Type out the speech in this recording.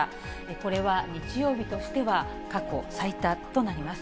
これは日曜日としては過去最多となります。